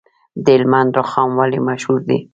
د هلمند رخام ولې مشهور دی؟